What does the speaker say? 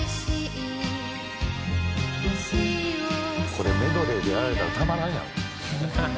「これメドレーでやられたらたまらんやろ」